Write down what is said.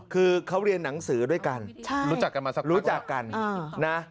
คือเขาเรียนหนังสือด้วยกันรู้จักกันนะ